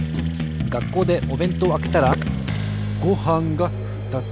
がっこうでおべんとうをあけたらごはんがふたつ。